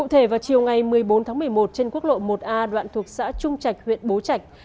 cụ thể vào chiều ngày một mươi bốn tháng một mươi một trên quốc lộ một a đoạn thuộc xã trung trạch huyện bố trạch